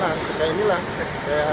dan juga akan mengejutkan energi terbarukan